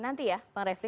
nanti ya bang refri